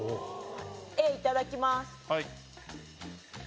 Ａいただきます。